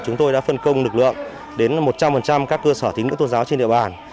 chúng tôi đã phân công lực lượng đến một trăm linh các cơ sở tín ngưỡng tôn giáo trên địa bàn